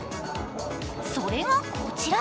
それがこちら。